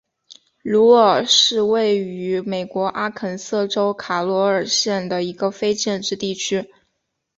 鲁尔是位于美国阿肯色州卡罗尔县的一个非建制地区。